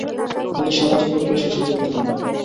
কিন্তু সামাজিক ব্যাপারে শশী যোগ দিল না।